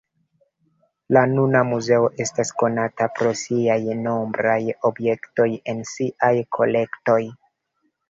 La nuna muzeo estas konata pro siaj nombraj objektoj en siaj kolektoj.